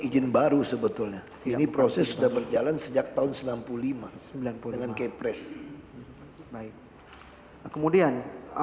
izin baru sebetulnya ini prosesnya berjalan sejak tahun sembilan puluh lima dengan kepres baik kemudian